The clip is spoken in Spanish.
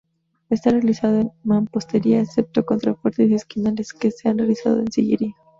Está realizado en mampostería, excepto contrafuertes y esquinales, que se han realizado en sillería.